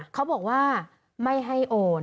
เขาบอกว่าไม่ให้โอน